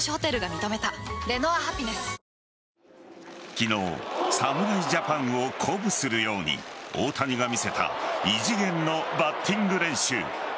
昨日侍ジャパンを鼓舞するように大谷が見せた異次元のバッティング練習。